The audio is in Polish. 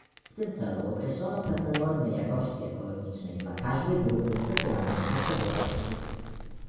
W tym celu określono pewne normy jakości ekologicznej dla każdej grupy specjalnych kategorii produktów